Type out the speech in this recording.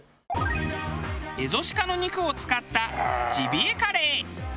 エゾシカの肉を使ったジビエカレー。